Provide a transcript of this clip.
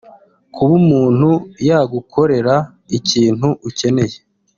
Kuba umuntu yagukorera ikintu ukeneye